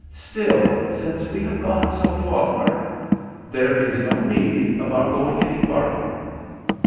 "Still, since we have gone so far" "There is no need of our going any farther."